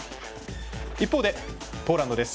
一方でポーランドです。